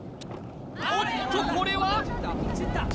おっとこれは？